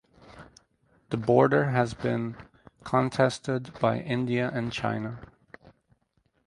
The border has been contested by India and China.